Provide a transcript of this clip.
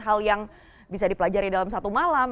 hal yang bisa dipelajari dalam satu malam